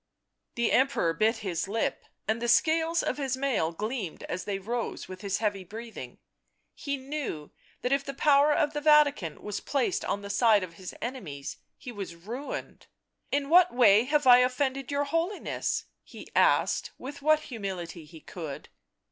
The Emperor bit his lip, and the scales of his mail gleamed as they rose with his heavy breathing; he knew that if the power of the Vatican was placed on the side of his enemies he was ruined. " In what way have I offended your Holiness?" he asked, with what humility he could.